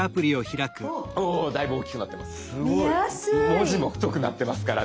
文字も太くなってますからね。